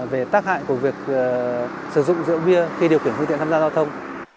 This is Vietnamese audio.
về tác hại của việc sử dụng rượu bia khi điều khiển phương tiện tham gia giao thông